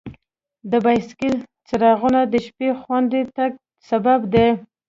د بایسکل څراغونه د شپې خوندي تګ سبب دي.